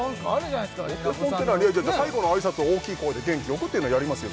最後の挨拶大きい声で元気よくっていうのはやりますよ